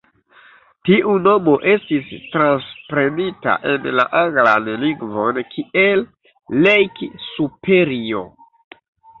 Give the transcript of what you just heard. Tiu nomo estis transprenita en la anglan lingvon kiel "Lake Superior".